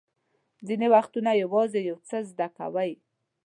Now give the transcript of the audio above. ځینې وختونه یوازې یو څه زده کوئ.